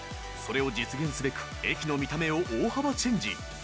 ［それを実現すべく駅の見た目を大幅チェンジ］